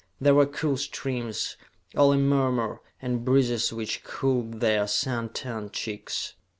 There were cool streams, all a murmur, and breezes which cooled their sun tanned cheeks.